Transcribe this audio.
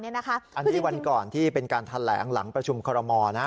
อันนี้วันก่อนที่เป็นการแถลงหลังประชุมคอรมอลนะ